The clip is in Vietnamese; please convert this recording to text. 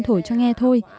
thổi cho nghe thôi